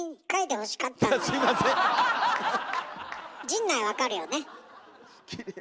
陣内分かるよね？